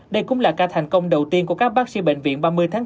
đây cũng là ca thành công đầu tiên của các bác sĩ bệnh viện ba mươi tháng bốn